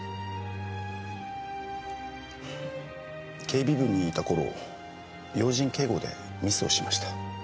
警備部にいた頃要人警護でミスをしました。